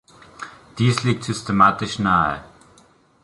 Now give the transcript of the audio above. Dies liegt systematisch nahe.